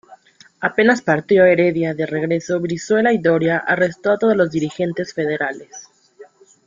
Apenas partió Heredia de regreso, Brizuela y Doria arrestó a todos los dirigentes federales.